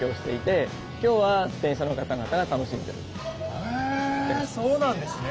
へえそうなんですね。